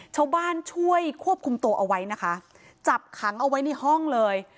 ช่วยควบคุมตัวเอาไว้นะคะจับขังเอาไว้ในห้องเลย